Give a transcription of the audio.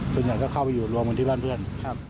ส่วนใหญ่ก็เข้าไปอยู่รวมกันที่บ้านเพื่อน